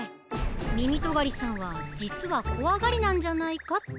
みみとがりさんはじつはこわがりなんじゃないかって。